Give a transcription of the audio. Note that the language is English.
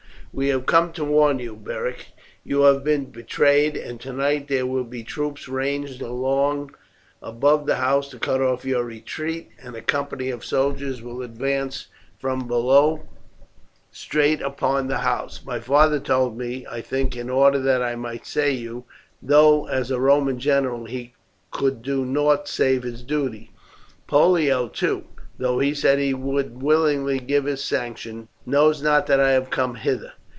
"We have come to warn you, Beric. You have been betrayed, and tonight there will be troops ranged along above the house to cut off your retreat, and a company of soldiers will advance from below straight upon the house. My father told me, I think, in order that I might save you, though as a Roman general he could do nought save his duty. Pollio, too, though he said he would willingly give his sanction, knows not that I have come hither.